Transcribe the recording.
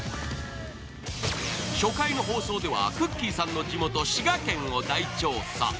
初回の放送では、くっきー！さんの地元・滋賀県を大調査。